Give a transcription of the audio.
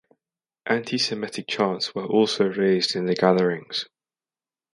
Antisemitic chants were also raised in the gatherings.